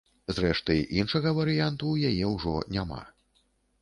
Зрэшты, іншага варыянту ў яе ўжо няма.